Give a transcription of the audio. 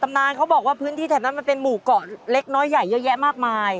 นานเขาบอกว่าพื้นที่แถบนั้นมันเป็นหมู่เกาะเล็กน้อยใหญ่เยอะแยะมากมาย